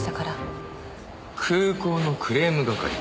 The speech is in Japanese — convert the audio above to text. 空港のクレーム係。